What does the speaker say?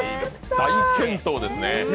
大健闘ですね。